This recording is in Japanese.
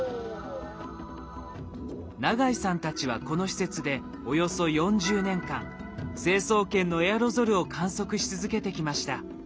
永井さんたちはこの施設でおよそ４０年間成層圏のエアロゾルを観測し続けてきました。